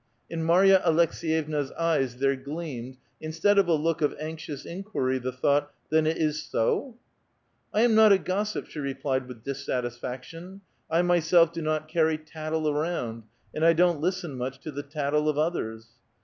" In Mary a Aleks^yevna's eyes there gleamed, instead of a look of anxious inquiry, the thought, " Then it is so !"" I am not a gossip," she replied with dissatisfaction. "I myself do not carry tattle around, and I don't listen nmch to the tattle of others."